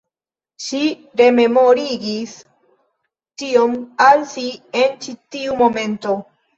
Ŝi rememorigis tion al si en ĉi tiu momento.